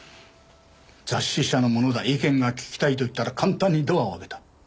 雑誌社の者だ意見が聞きたいと言ったら簡単にドアを開けた。